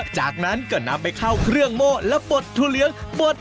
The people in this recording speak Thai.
จากนั้นก็นำไปเข้าเครื่องโม่และบดถั่วเหลืองบด